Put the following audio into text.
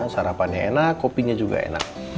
sarapannya enak kopinya juga enak